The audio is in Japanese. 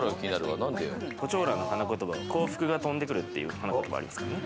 胡蝶蘭の花言葉は幸福が飛んでくるという花言葉がありますからね。